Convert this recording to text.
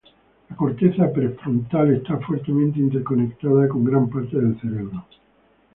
La corteza prefrontal está fuertemente interconectada con gran parte del cerebro.